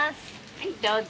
はいどうぞ。